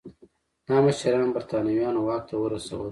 دا مشران برېټانویانو واک ته ورسول وو.